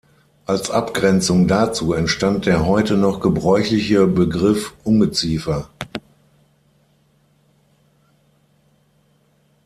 Als Abgrenzung dazu entstand der heute noch gebräuchliche Begriff Ungeziefer.